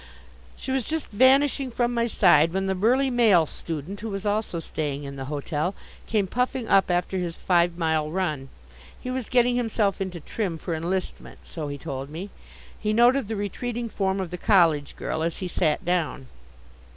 She was just vanishing from my side when the Burly Male Student, who was also staying in the hotel, came puffing up after his five mile run. He was getting himself into trim for enlistment, so he told me. He noted the retreating form of the college girl as he sat down.